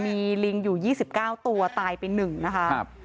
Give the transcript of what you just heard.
มีลิงอยู่๒๙ตัวตายไป๑นะคะ